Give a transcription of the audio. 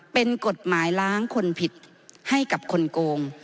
เป็นกฎหมายล้างคนผิดให้กับคนโกง